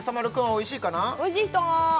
おいしい人？